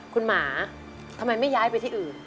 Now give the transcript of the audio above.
คุณหมาทำไมไม่ย้ายไปที่อื่น